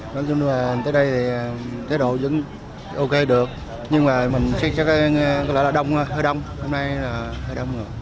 nói chung là tới đây thì tế độ vẫn ok được nhưng mà mình sẽ chắc là hơi đông hơi đông rồi